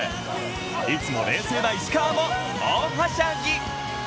いつも冷静な石川も大はしゃぎ。